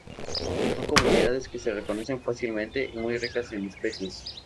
Son comunidades que se reconocen fácilmente y muy ricas en especies.